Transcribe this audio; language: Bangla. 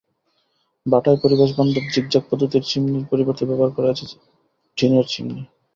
ভাটায় পরিবেশবান্ধব জিগজাগ পদ্ধতির চিমনির পরিবর্তে ব্যবহার করা হয়েছে টিনের চিমনি।